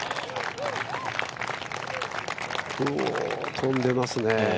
飛んでますね。